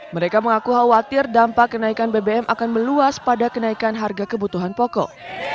mereka mengaku khawatir dampak kenaikan bbm akan meluas pada kenaikan harga kebutuhan pokok